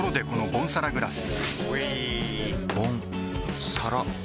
ボンサラグラス！